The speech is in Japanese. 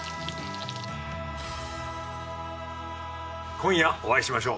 今夜お会いしましょう。